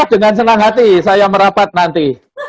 dengan senang hati saya merapat nanti